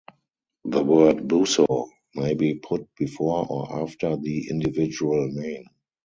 The word "buso" may be put before or after the individual name.